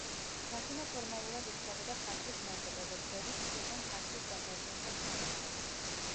დათუნა ფორმალურად ითვლებოდა ქართლის მეფედ, როგორც დედის მხრიდან ქართლის ბაგრატიონთა შთამომავალი.